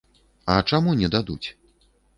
А чаму не дадуць?